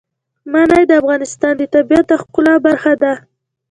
منی د افغانستان د طبیعت د ښکلا برخه ده.